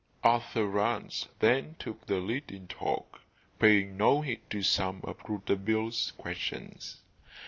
Arthur Rance then took the lead in talk, paying no heed to some of Rouletabille's questions.